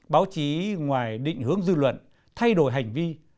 báo chí ngoài định hướng dư luận thay đổi hành vi